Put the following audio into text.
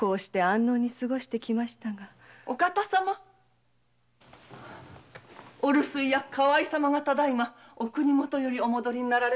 ・お方様！お留守居役・河合様がただ今お国許よりお戻りになりました。